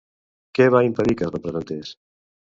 Què va impedir que es representés?